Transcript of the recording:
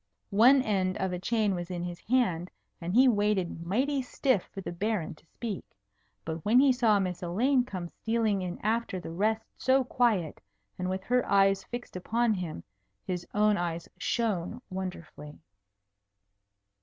One end of a chain was in his hand, and he waited mighty stiff for the Baron to speak. But when he saw Miss Elaine come stealing in after the rest so quiet and with her eyes fixed upon him, his own eyes shone wonderfully.